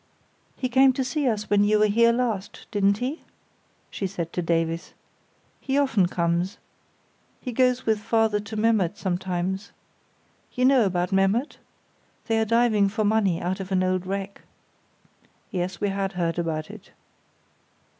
"He came to see us when you were here last, didn't he?" she said to Davies. "He often comes. He goes with father to Memmert sometimes. You know about Memmert? They are diving for money out of an old wreck." "Yes, we had heard about it."